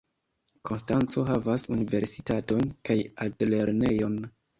Konstanco havas universitaton kaj altlernejon.